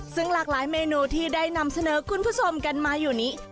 ซึ่งหลากหลายเมนูที่ได้นำเสนอคุณผู้ชมกันมาอยู่นี้